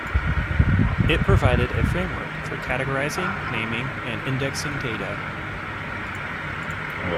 It provided a framework for categorizing, naming, and indexing data.